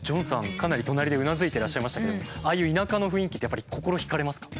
かなり隣でうなずいてらっしゃいましたけどもああいう田舎の雰囲気ってやっぱり心ひかれますか？